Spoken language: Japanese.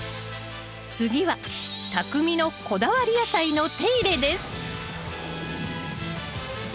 次はたくみのこだわり野菜の手入れです